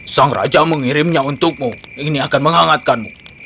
sang raja mengirimnya untukmu ini akan menghangatkanmu